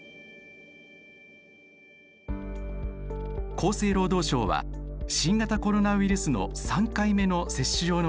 厚生労働省は新型コロナウイルスの３回目の接種用のワクチンを承認。